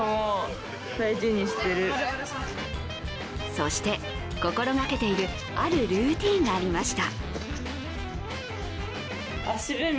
そして、心がけているあるルーチンがありました。